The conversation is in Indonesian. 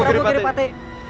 baik ratu kiripati